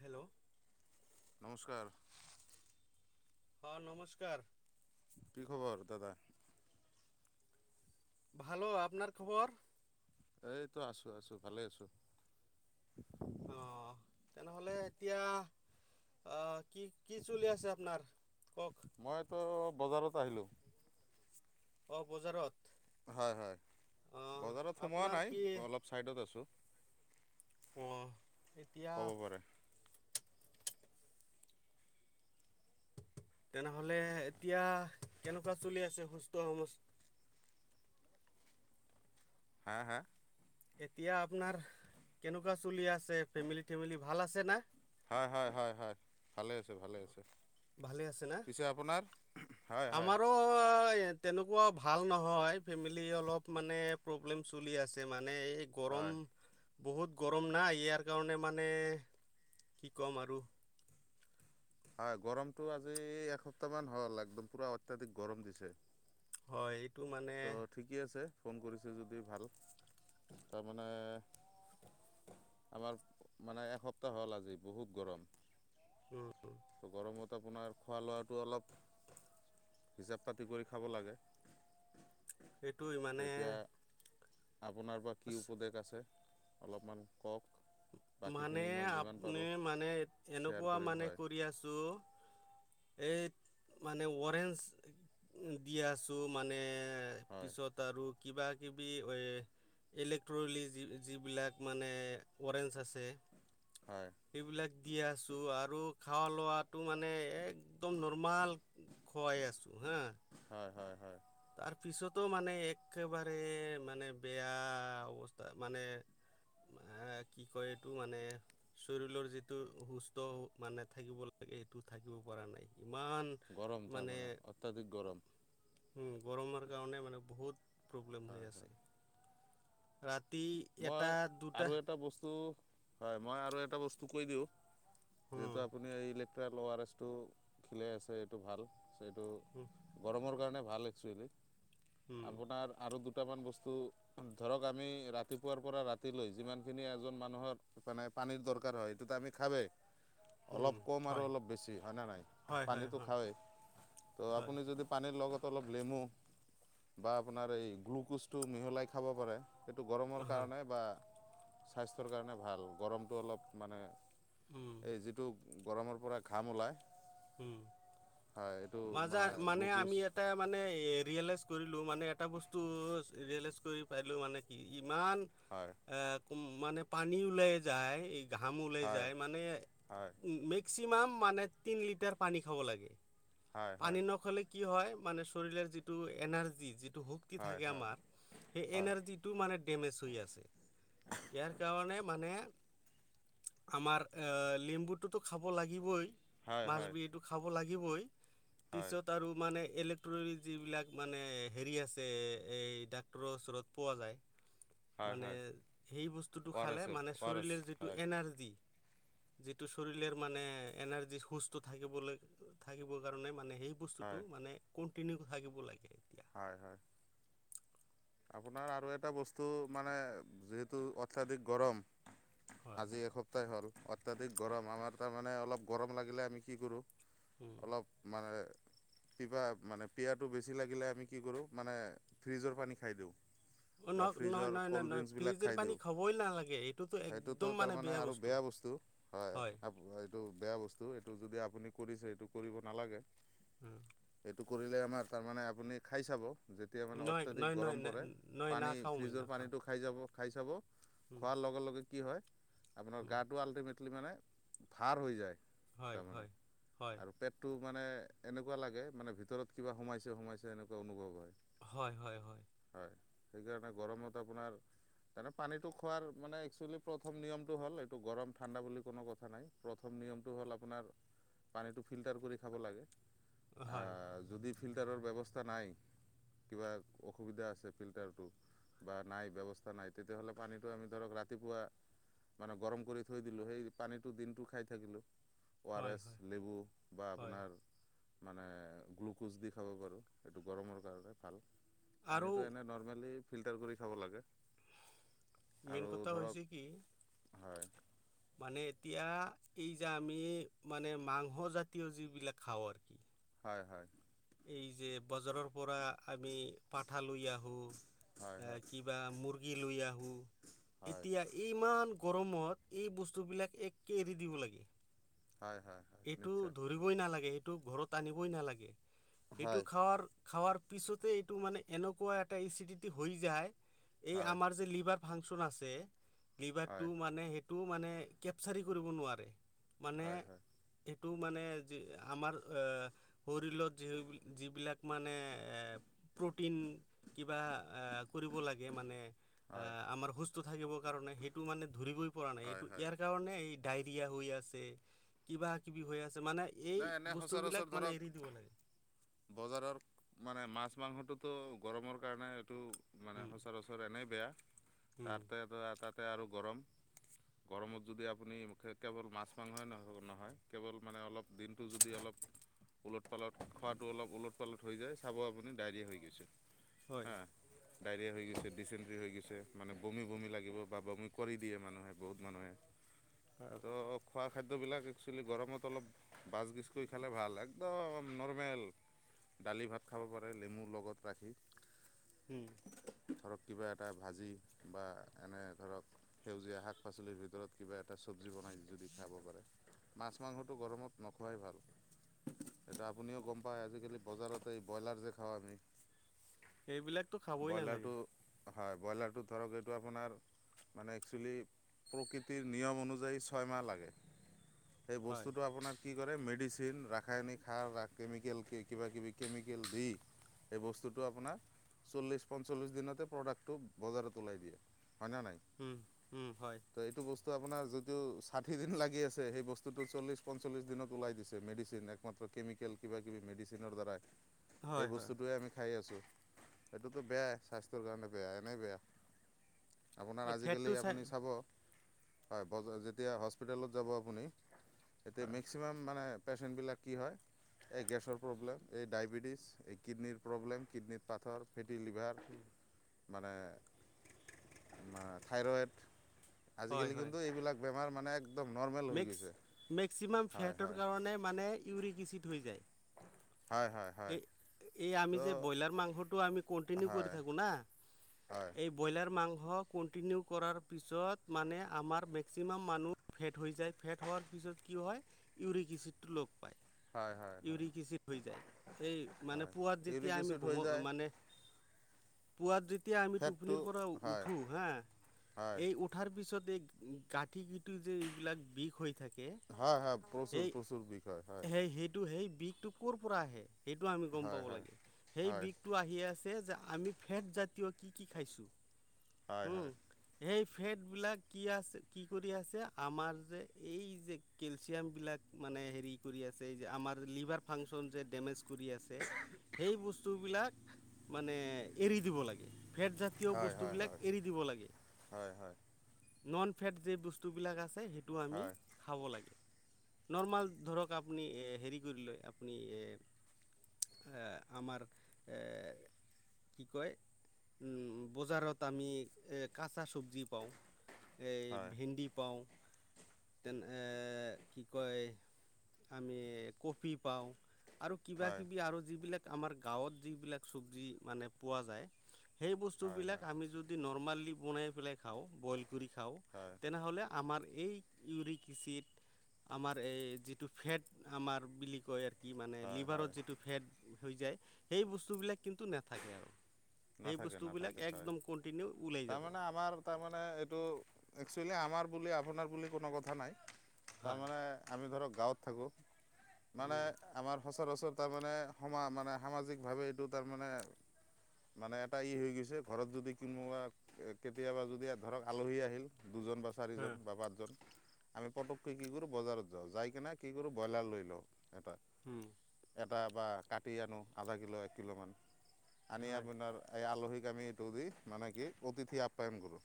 Hello. নমস্কাৰ। অহ, নমস্কাৰ। কি খবৰ দাদা? ভালো। আপোনাৰ খবৰ? এইটো আছোঁ-আছোঁ ভালে আছোঁ। অহ, তেনেহ'লে এতিয়া অহ কি কি চলি আছে আপোনাৰ কওঁক। মইতো বজাৰত আহিলোঁ। অহ, বজাৰত। হয়, হয়। অঁ বজাৰত সোমোৱা আপোনাৰ নাই কি অলপ ছাইডত আছোঁ। অহ, এতিয়া ক'ব পাৰে তেনেহ'লে এতিয়া কেনেকুৱা চলি আছে সুস্থ সম হা, হা? এতিয়া আপোনাৰ কেনেকুৱা চুলি আছে ফেমিলি-থেমিলি ভাল আছে না। হয়, হয়, হয়, হয়। ভালে আছোঁ ভালে আছোঁ। ভালে আছে না, হয় হয় আমাৰো তেনেকুৱা ভাল নহয়, ফেমিলি অলপ মানে প্ৰব্লেম চলি আছে মানে এই হয় গৰম বহুত গৰম না, ইয়াৰ কাৰণে মানে কি কম আৰু। হয় গৰমতটো আজি এসপ্তাহ মান হ'ল একদম পুৰা অত্যাধিক গৰম দিছে। হয়। মানে ত' ঠিকে আছে ফোন কৰিছে যদি ভাল। তাৰমানে আমাৰ মানে, এসপ্তাহ হ'ল আজি বহুত গৰম। উম, [unintelligible] গৰমত আপোনাৰ খোৱা লোৱাটো অলপ হিচাপ পাতি কৰি খাব লাগে। এইটোই মানে তেতিয়া আপোনাৰ বা কি আছ- উপদেশ আছে অলপমান কওঁক। মানে আপনি মানে শ্বেয়াৰ এনেকুৱা কৰিম মানে হয় কৰি আছোঁ। এই মানে ৱাৰেঞ্চ দি আছোঁ মানে এ হয় পিছত আৰু কিবা-কিবি এই ইলেক্ট্ৰলি যি যিবিলাক মানে ৱাৰেঞ্চ আছে হয় এইবিলাক দি আছোঁ আৰু খোৱা লোৱাটো মানে একদম নৰ্মাল খোৱাই আছোঁ হা। হয়, হয়, হয়। তাৰপিছতো মানে একেবাৰে মানে বেয়া অৱস্থা মানে এ কি কয় এইটো মানে শৰীৰৰ যিটো সুস্থ মানে থাকিব লাগে। এইটো থাকিব পৰা নাই ইমান গৰম মানে তাৰমানে অত্যাধিক গৰম উ, গৰমৰ কাৰণে মানে বহুত প্ৰব্লেম হৈ হয় আছে। ৰাত তি মই এটা, আৰু দুটা এটা বস্তু হয় মই আৰু এটা বস্তু কৈ দিওঁ যিহেতু হয় আপুনি তে ল'ৱাৰেছটো খেলে আছে এইটো ভাল গৰমৰ কাৰণে ভাল এক্সুৱেলি। আপোনাৰ আৰু দুটামান বস্তু ধৰক আমি ৰা ৰাতিপুৱাৰপৰা ৰাতিলৈ যিমানখিনি এজন মানুহৰ মানে পানীৰ দৰকাৰ হয় সেইটোতো আমি খাৱেই। অলপ কম আৰু অলপ বেছি হয়নে নাই? হয় হয় হয় পানীটো হয় খাওেই। ত' হয় আপুনি যদি পানীৰ লগত অলপ নেমু বা আপোনাৰ এই গ্লুক'জটো মিহলাই খাব পাৰে এইটো গ কাৰণে বা স্বাস্থ্যৰ কাৰণে ভাল। গৰমটো অলপ মানে উম এই যিটো গৰমৰপৰা ঘাম ওলাই উম, মাজে মানে আমি এটা মানে ৰিয়েলাইছ কৰিলোঁ মানে এটা বস্তু ৰিয়েলাইজ কৰি পালোঁ মানে কি ইমান হয় এ মানে পানী ওলাই যায়, ঘাম ওলাই হয় যায় মানে হয় মেক্সিমাম মানে তিন লিটাৰ পানী খাব লাগে, হয় হয় পানী নখ'লে কি হয় মানে শৰীৰৰ যিটো এনাৰ্জি, যিটো শুক্তি হয় থাকে হয় আমাৰ, সেই হয় এনাৰ্জিটো মানে ডেমেজ হৈ আছে। ইয়াৰ কাৰণে মানে আমাৰ লেম্বুটোতো খাব লাগিবই হয় হয় মাছবি এইটো খাব লাগিবই, হয় পিছত আৰু মানে ইলেক্ট্ৰনিক যিবিলাক মানে হেৰি আছে, এই ডাক্টৰৰ ওচৰত পোৱা যায় হয় মানে হয় সেই বস্তুটো অ' আৰ খালে এছ এল মানে অ' আৰ এছ চৰীলেৰ যিটো হয় এনাৰ্জি যিটো চৰীলেৰ মানে এনাৰ্জি সুস্থ থাকিবলৈ থাকিবৰ কাৰণে মানে সেই হয় বস্তুটো মানে কণ্টিনিউ থাকিব লাগে। এতিয়া হয় হয়। আপোনাৰ আৰু এটা বস্তু মানে যিহেতু অত্যাধিক গৰম হয় আজি এসপ্তাহ হ'ল অত্যাধিক গৰম, আমাৰ তাৰমানে অলপ গৰম লাগিলে আমি কি কৰোঁ উম অলপ মানে কিবা মানে পিয়াটো বেছি লাগিলে আমি কি কৰোঁ মানে ফ্ৰিজৰ পানী খাই দিওঁ। বা নহ নহয়, ফ্ৰিজৰ নহ নয় ক'ল্ড নহয় ড্ৰিংকছবিলাক ফ্ৰিজৰ খাই দিওঁ পানী খবই নালাগে, এইটোতো সেইটোতো একদম মানে তাৰমানে বেয়া আৰু বস্তু। হয় এইটো বেয়া বস্তু, এইটো যদি আপুনি কৰিছে এইটো কৰিব নালাগে। হু। সেইটো কৰিলে আমাৰ তাৰমানে আপুনি খাই চাব। যেতিয়া মানে নহয় অত্যাধিক নহয় নহয় গৰম পৰে নহয় পানী নাখাওঁ মই ফ্ৰিজৰ নাখাওঁ পানীটো খাই যাব খাই চাব উম, খোৱাৰ লগে লগে কি হয়, আপোনাৰ উম। গাটো আল্টিমেটলি মানে ভাৰ হৈ যায়। হয় তাৰমানে হয় হয় আৰু পেটটো মানে এনেকুৱা লাগে মানে ভিতৰত কিবা সোমাইছে সোমাইছে এনেুৱা অনুভৱ হয়। হয় হয় হয়। হয় সেইকাৰণে গৰমত আপোনাৰ তাৰে পানীটো খোৱাৰ মানে একচলি প্ৰথম নিয়মটো হ'ল এইটো গৰম ঠাণ্ডা বুলি কোনো কথা নাই প্ৰথম নিয়মটো হ'ল আপোনাৰ পানীটো ফিল্টাৰ কৰি খাব লাগে। আ, হয় যদি ফিল্টাৰৰ ব্যৱস্থা নাই কিবা অসুবিধা আছে ফিল্টাৰটো বা নাই ব্যৱস্থা নাই তেতিয়াহ'লে পানীটো আমি ধৰক ৰাতিপুৱা মানে গৰম কৰি থৈ দিলোঁ, সেই পানীটো দিনটো খাই থাকিলোঁ। অ' আৰ হয় এছ, হয় লেবু বা হয় আপোনাৰ মানে গ্লুক'জ দি খাব পাৰোঁ। সেইটো গৰমৰ কাৰণে ভাল। আৰু পানীটো এনে নৰ্মেলি ফিল্টাৰ কৰি খাব লাগে। মেইন আৰু কথা ধৰক হৈছে কি হয় মানে এতিয়া এই যে আমি মানে মাংস জাতীয় যিবিলাক খাওঁ আৰু কি হয় হয় এই যে বজাৰৰ পৰা আমি পাঠা লৈ আহোঁ হয় এ হয় কিবা মুৰ্গী লৈ আহো হয় এতিয়া ইমান গৰমত এই বস্তুবিলাক একে এৰি দিব লাগে। হয় হয় হয় এইটো নিশ্চয় ধৰিবই নালাগে এইটো ঘৰত আনিবই নালাগে। এইটো হয় খাৱোৱাৰ খাৱোৱাৰ পিছতে এইটো মানে এনেকুৱা এটা এচিডিটি হৈ যায় এই হয় আমাৰ যে লিভাৰ ফাংচন আছে লিভাৰ টো হয় মানে সেই মানে কেপচাৰি কৰিব নোৱাৰে মানে হয় হয় টো মানে যি আমাৰ শৰীৰত যি যিবিলাক মানে প্ৰটিন কিবা কৰিব লাগে মানে হয় আমাৰ থাকিবৰ কাৰণে সেইটো মানে ধৰিবই পৰা নাই হয় এইটো হয় ইয়াৰ কাৰণে এই ডায়ৰিয়া হৈ আছে কিবা কিবি হৈ আছে মানে এই, নাই এনে বস্তু সচৰাচৰ বিলাক ধৰক মানে এৰি দিব লাগে। বজাৰৰ মানে মাছ মাংসটোতো গৰমৰ কাৰণে এইটো মানে সচৰাচৰ এনেই বেয়া উম, তাৰতে তাতে আৰু গৰম। গৰমত যদি আপুনি কেৱল মাছ মাংসই নহয় কেৱল মানে অলপ দিনটো যদি অলপ ওলট পালত খোৱাাতটো অলপ ওলট পালত হৈ যায় চাব আপুনি ডায়েৰয়া হৈ গৈছে। হয় হা ডায়ৰিয়া হৈ গৈছে ডিচেণ্ট্ৰি হৈ গৈছে। মানে বমি বমি লাগিব বা বমি কৰি দিয়ে মানুহে বহুত মানুহে। তো [unintelligible] খোৱা খাদ্যবিলাক একচুৱেলি গৰমত অলপ বচগিচ কৰি খালে ভাল একদম নৰ্মেল। দালি ভাত খাব পাৰে লেমুৰ লগত ৰাখি। উম। ধৰক কিবা এটা ভাজি বা এনে ধৰক সেউজীয়া শাক পাচলিৰ ভিতৰত কিবা এটা চব্জী বনাই দি খাব পাৰে মাছ মাংসটো গৰমত নোখোৱাই ভাল। এতিয়া আপুনিও গম পায় আজিকালি বজাৰতে এই ব্ৰইলাৰ যে খাওঁ আমি এইবিলাকতো খাবই নালাগে ব্ৰইলাৰটো হয় ব্ৰইলাৰটো ধৰক এইটো আপোনাৰ মানে একচুৱেলি প্ৰকৃতিৰ নিয়ম অনুযায়ী ছয়মাহ লাগে। সেই হয় বস্তুটো আপোনাৰ কি কৰে মেডিচিন ৰাসায়নিক সাৰ কেমিকেল কিবা কিবি কেমিকেল দি এই বস্তুটো আপোনাৰ চল্লিশ পচলিছ দিনতো প্ৰডাক্ট বজাৰত ওলাই দিয়ে। হয় ন নাই উম, উম, হয়, তো এইটো বস্তু আপোনাৰ য'ত যটো ষাঠি দিন লাগি আছে সেই বস্তু টো চল্লিছ প চল্লিশ দিনত ওলাই দিছে মেডিচিন একমাত্ৰ কেমিকেল কিবা কিবি মেডিচিনৰ দ্বাৰা সেই হয়, হয় বস্তুটোৱে আমি খাই আছো। এইটোতো বেয়াই স্বাস্থ্যৰ কাৰণে বেয়া এনেই বেয়া। আপোনাৰ আৰু আজিকালি ফেটটো চাই আপুনি চাব হয় বজ যেতিয়া হস্পিটেলত যাব আপুনি এতিয়া মেক্সিমাম মানে পেচেন বিলাক কি হয় এই গেছৰ প্ৰব্লেম এই ডায়বেটিছ এই কিডনিৰ প্ৰব্লেম কিডনিৰ পাথৰ লিভাৰ মানে থাইৰইড হয়, আজিকালি হয় কিন্তু এইবিলাক বেমাৰ মানে একদম নৰ্মেল হৈ মেক্স গৈছে। মেক্সিমাম হয় ফেটৰ হয় কাৰণে মানে ইউৰি কিচিড হৈ যায়। হয় হয় হয় এই এই আমি তো যে ব্ৰইলাৰ মাংসটো আমি কন্টিনিউ কৰি হয় থাকোঁ ন হয় এই ব্ৰইলাৰ মাংস কেণ্টিনিও কৰাৰ পিছত মানে আমাৰ মেক্সিমাম মানুহে ফেট হোৱাৰ পিছত কি হয় ইউৰিক এচডটো লগ পায়। হয় হয় হয় ইউৰি কিচড হৈ যায় এই মানে হয় পোৱাত যেতিয়া ইউৰিক আমি এচিড হৈ ঘুমো যায় মানে [unintelligible] পুৱাত যেতিয়া আমি ফেটটো টোপনিৰ পৰা হয় উঠো হা, হয় এই উঠাৰ পিছত এই কাঠি কিটো যে এইবিলাক বিষ হৈ থাকে। হয় হয় প্ৰচুৰ এই, প্ৰচুৰ বিষ হয় হয় সেই সেইটো সেই। বিষটো কৰ' পৰা আহে সেইটো আমি গম হয় পাব লাগে, সেই হয় বিষটো আহি আছে। যে আমি ফেটজাতীয় কি কি খাইছোঁ। হয় হয়। ফেট বিলাক কি আছে কি কৰি আছে, আমাৰ যে এই যে কেলচিয়াম বিলাক মানে। হ, কৰি আছে যে আমাৰ লিভাৰ ফাংচন যে ডেমেজ। কৰি আছে, সেই বস্তুবিলাক মানে এৰি দিব লাগে। ফেটজাতীয় হয় হয় বস্তুবিলাক হয় এৰি দিব লাগে। হয় হয় নন ফেট য বস্তুবিলাক আছে সেইটো আমি হয় খাব লাগে। নৰ্মাল ধৰক আপুনি হেৰি কৰি লয় আপুনি। আমাৰ অ, কি কয় উম, বজাৰত। তাত আমি কেঁচা চব্জি পাওঁ এই হয় হয় হয় ভেডি পাওঁ। তেনে কি কয়। আমি কপি পাওঁ। আৰু কিবা হয় কিবি আৰু যিবিলাক আমাৰ গাঁৱত যিবিলাক চবজি মানে পোৱা যায়। সেই বস্তু হয় বিলাক। অ, যদি নৰ্মেলি বনাই পালে খাওঁ। বইল কৰি খাওঁ, হয় তেনেহলে আমাৰ। এই ইউৰিক এচিত, আমাৰ এই যিটো ফেট আমাৰ বুলি কয় আৰু। কি, মানে হয় হয় লিভাৰত যিটো ফেট হৈ যায় সেই বস্তুবিলাক কিন্তু নাথাকে আৰু। সেই নাথাকে বস্তুবিলাক নাথাকে। একদম কণ্টিনিউ ওলাই তাৰ যাব মানে আমাৰ তাৰ মানে, এইটো একচইলি আমাৰ। বুলি আপোনাৰ বুলি কোনো কথা নাই, হয় তাৰমানে আমি ধৰক গাঁৱত থাকো। মানে উম আমাৰ সচৰাচৰ। তাৰ মানে সমা মানে সামাজিক ভাৱে এইটো তাৰ মানে। মানে এটা ই হৈ গৈছে ঘৰত যদি কোনোবা কেতিয়াবা যদি ধৰক আলহী আহিল। দুজন বা হয় চাৰিজন বা পাঁচজন। আমি পটককৈ কি কৰো বজাৰত যাওঁ যাই কিনে কি কৰো ব্ৰইলাৰ লৈ লওঁ এটা। উম, এটা বা কাটি আনো আধা কিলো এক কিলোমান। আনি হয় আপোনাৰ এই আলহীক আমি এইটো দি মানে কি অতিথি আপ্যায়ন কৰো।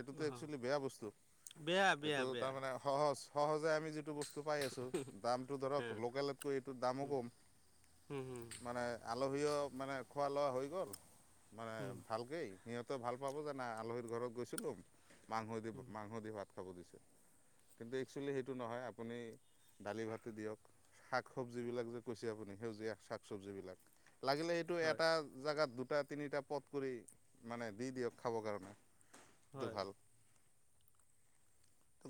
এইটোতো অ একচুৱেলি বেয়া বস্তু বেয়া বেয়া এইটো বেয়া তাৰমানে সহজ সহজ। আমি যিটো বস্তু পাই আছো দামটো হে ধৰক লোকেলতকৈ এইটো দামো কম। হম, হম, আলহীয় মানে খোৱা লোৱা হৈ গ'ল। মানে হুম ভালকেই সিহঁতে ভাল পাব জানা আলহীৰ ঘৰত গৈছিলো। মাংস দি, মাংস দি ভাত খাব দিছে। কিন্তু একচুৱেলি সেইটো নহয় আপুনি দালি ভাত দিয়ক। শাক চব্জ বিলাক যে কৈছে আপুনি সেউজীয়া শাক চবজ বিলাক। লাগিলে এইটো হয় এটা জোগাত দুটা তিনিটা পথ কৰি মানে দি দিয়ক খাবৰ কাৰণে। সেইটো হয়। ভাল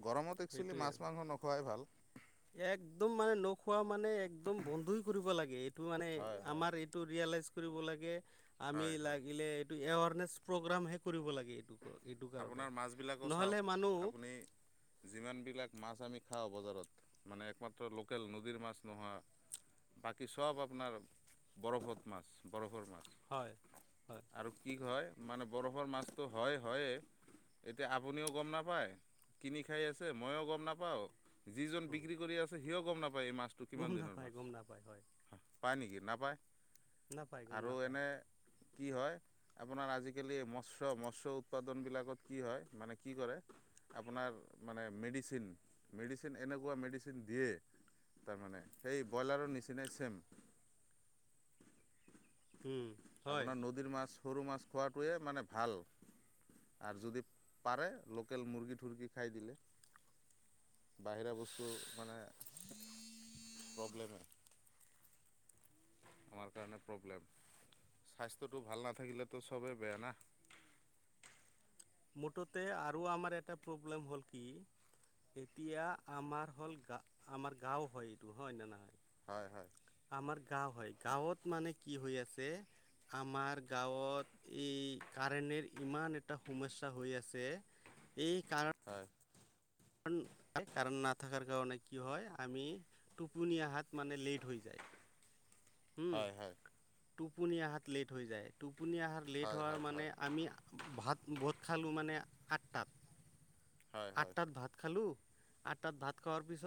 গৰমত এক্সুৱেলি সেইটোৱে মাছ আৰু মাংস নোৱাই ভাল। একদম মানে নখোৱা মানে একদম বন্ধুই কৰিব লাগে এই। টো মানে হয় হয় আমাৰ এইটো ৰিয়েলাইজ কৰিব লাগে আমি হয় হয় লাগিলে এইটো এৱাৰ্ড। প্ৰগ্ৰামহে কৰিব লাগে। এইটো কাৰণে, আপোনাৰ মাছবিলাকো চাওক নহ'লে মানুহ। আপুনি যিমানবিলাক মাছ আমি খাওঁ বজাৰত মানে একমাত্ৰ লোকেল নদীৰ মাছ নোহোৱা। বাকী চ'ব আপোনাৰ বৰফত মাছ, বৰফৰ। হয় হয় আৰু কি হয় মানে বৰফৰ মাছটো হয়, হয়ে এতিয়া আপুনিও গম নাপায় কিনি খাই আছে, মইয়ো গম নাপাওঁ। যিজন উম, বিক্ৰী কৰি আছে সিওঁ গম নাপায়। এই মাছটো কিমান গম দিনৰ নাপায় মাছ, গম নাপায় হয় পায় নেকি? নাপায়। নাপায় গম আৰু নাপায় এনে কি হয় আপোনাৰ আজিকালি মচ মৎস্য-মৎস্য উৎপাদনবিলাকত কি হয় মানে কি কৰে আপোনাৰ মানে মেডিচিন মেডিচিন এনেকুৱা মেডিচিন দিয়ে। তাৰমানে সেই ব্ৰইলাৰৰ নিচিনাই চেম। [inaudible] হয় আপোনাৰ নদীৰ মাছ সৰু মাছ খোৱাটোৱে মানে ভাল। আৰু যদি পাৰে লোকেল মূৰ্গী ঠুৰগী খাই দিলে। বাহিৰা বস্তু মানে প্ৰব্লেমে। আমাৰ কাৰণে প্ৰব্লেম। স্বাস্থ্যটো ভাল নাথাকিলেতো চবেই বেয়া না। মুঠতে আৰু আমাৰ এটা প্ৰব্লেম হ'ল কি এতিয়া আমাৰ হ'ল গা-আমাৰ গাওঁ হয় এইটো হয় নে নহয়? হয়, হয়। আমাৰ গাঁও হয় গাঁৱত মানে কি হৈ আছে আমাৰ গাঁৱত এই কাৰেণেৰ ইমান এটা সমস্যা হৈ আছে এই কাৰণ হয় কাৰণ, কাৰণ নাথকাৰ কাৰণে কি হয় আমি টোপনি অহাত মানে লেট হৈ যায়। [inaudible] হুম হয়, হয়। টোপনি অহাত লেট হৈ যায়, টোপনি আহাৰ লেট হয় হয় হোৱাৰ মানে হয় আমি ভাত ভট খালোঁ মানে আঠটাত- হয় হয় আঠটাত ভাত খালোঁ, আঠটাত ভাত খোৱাৰ পিছত